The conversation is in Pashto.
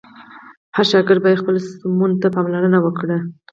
هر شاګرد باید خپل سمون ته پاملرنه وکړه.